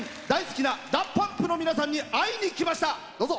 大好きなＤＡＰＵＭＰの皆さんに会いに来ました。